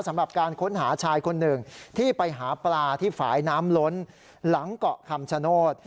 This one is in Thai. สำหรับการค้นหาชายคนหนึ่งที่ไปหาปลาที่ฝ่ายน้ำล้นหลังเกาะคำชโนธ